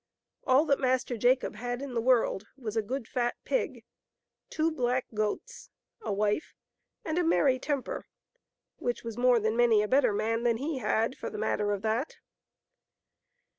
All that Master Jacob had in the world was a good fat pig, two black goats, a wife, and a merry temper — which was more than many a better man than he had, for the matter of that.